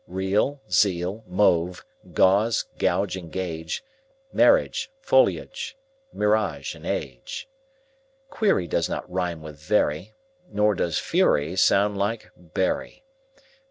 Real, zeal; mauve, gauze and gauge; Marriage, foliage, mirage, age. Query does not rime with very, Nor does fury sound like bury.